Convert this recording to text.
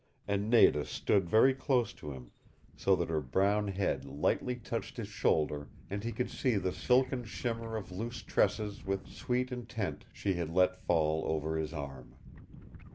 And Nada stood very close to him, so that her brown head lightly touched his shoulder and he could see the silken shimmer of loose tresses which with sweet intent she had let fall over his arm.